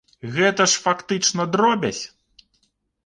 Гэта ж, фактычна, дробязь?